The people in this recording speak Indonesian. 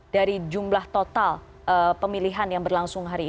dari jumlah total pemilihan yang berlangsung hari ini